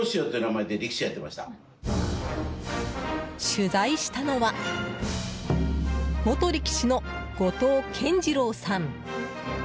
取材したのは元力士の後藤健二郎さん。